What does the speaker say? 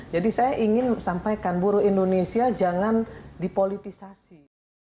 jadi saya ingin sampaikan buruh indonesia jangan dipolitisasi